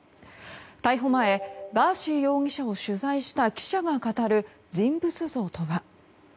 逮捕前、ガーシー容疑者を取材した記者が語る人物像とは？